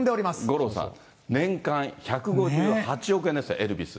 五郎さん、年間１５８億円ですって、エルビス。